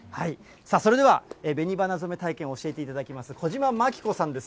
それでは、べに花染め体験を教えてもらいます、小島槇子さんです。